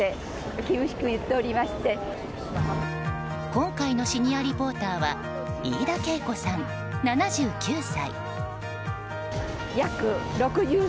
今回のシニアリポーターは飯田圭子さん、７９歳。